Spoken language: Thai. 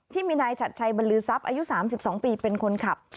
ที่มีนายจัดใช้บรรลือซับอายุสามสิบสองปีเป็นคนขับ